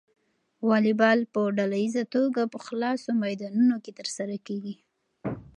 واليبال په ډله ییزه توګه په خلاصو میدانونو کې ترسره کیږي.